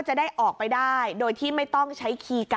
จะได้ออกไปได้โดยที่ไม่ต้องใช้